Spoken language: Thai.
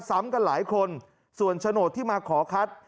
ซ้ำกันหลายคนส่วนโฉนดที่มาขอคัด